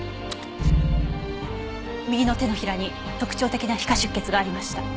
右の手のひらに特徴的な皮下出血がありました。